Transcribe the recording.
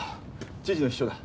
知事の秘書だ。